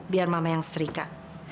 biar mama yang serika